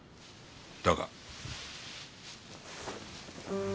だが。